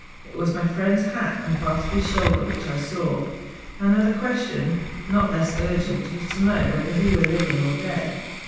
It was my friend's hat and part of his shoulder which I saw. Another question, not less urgent, was to know whether he were living or dead.